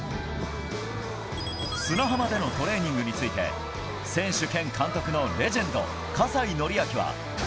砂浜でのトレーニングについて、選手兼監督のレジェンド、葛西紀明は。